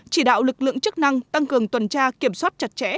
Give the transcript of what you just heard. chỉ đạo lực lượng chức năng tăng cường tuần tra kiểm soát chặt chẽ